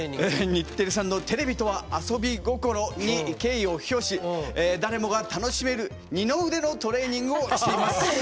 日テレさんとはテレビとは、遊び心に敬意を表し誰もが楽しめる二の腕のトレーニングをしています。